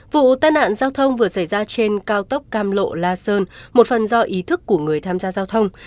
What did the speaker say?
vụ tai nạn giao thông vừa xảy ra trên cao tốc cam lộ la sơn một phần do ý thức của người tham gia giao thông